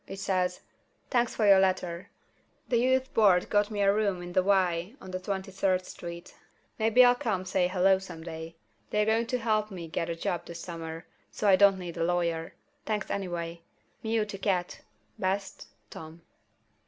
It says: "Thanks for your letter. The Youth Board got me a room in the Y on Twenty third Street. Maybe I'll come say Hello some day. They're going to help me get a job this summer, so I don't need a lawyer. Thanks anyway. Meow to Cat. Best, Tom."